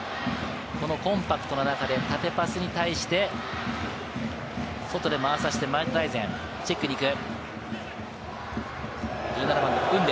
このコンパクトの中で縦パスに対して外で回させて前田大然がチェックに行く。